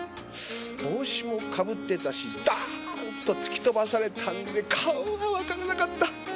帽子も被ってたしドーンと突き飛ばされたんで顔がわからなかった！